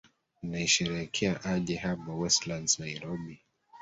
mnaisherehekea aje hapo westlands nairobi